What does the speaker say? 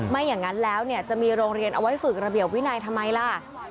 ไม่อย่างนั้นแล้วจะมีโรงเรียนเอาไว้ฝึกระเบียบวินัยทำไมล่ะ